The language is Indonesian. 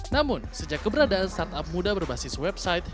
namun sejak keberadaan startup muda berbasis website